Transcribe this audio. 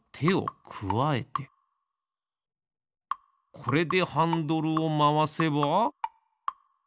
これでハンドルをまわせば。